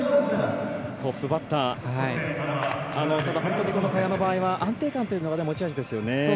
トップバッターただ、本当に萱の場合は安定感というのが持ち味ですよね。